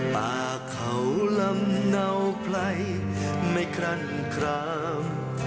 ป่าเขาลำเนาไกลไม่คลั่นคราม